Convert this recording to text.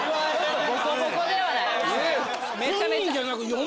ボコボコではない。